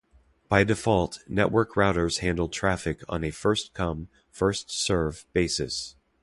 By default, network routers handle traffic on a first-come, first-served basis.